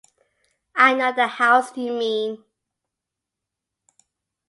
I know the house you mean.